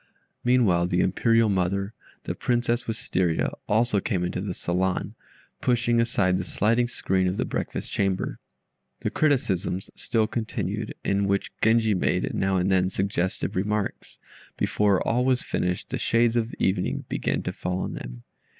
Meanwhile the Imperial mother (the Princess Wistaria) also came into the saloon, pushing aside the sliding screen of the breakfast chamber. The criticisms still continued, in which Genji made, now and then, suggestive remarks. Before all was finished the shades of evening began to fall on them.